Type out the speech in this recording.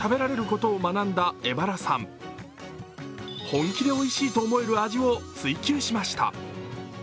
本気でおいしいと思える味を追求しました。